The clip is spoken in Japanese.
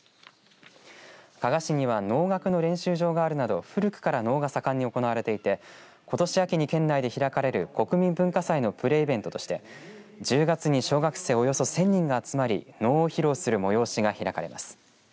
加賀市には能楽の練習場があるなど古くから能が盛んに行われていてことし秋に県内で開かれる国民文化祭のプレイベントとして１０月に小学生およそ１０００人が集まり能を披露する催しが開かれています。